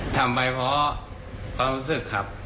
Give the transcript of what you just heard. ทำไปเพราะความรู้สึกครับ